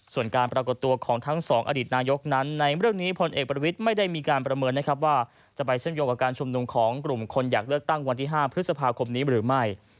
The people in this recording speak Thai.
ส่วนการปรากฏตัวของทั้งสองอดีตนายกนั้นในเรื่องนี้พลเอกประวิทย์ไม่ได้มีการประเมินนะครับว่าจะไปเชื่อมโยงกับการชุมนุมของกลุ่มคนอยากเลือกตั้งวันที่๕พฤษภาคมนี้หรือไม่